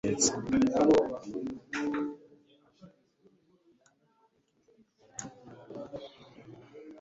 gasore yashyizeho ameza yo kurya mugihe gakwego yatetse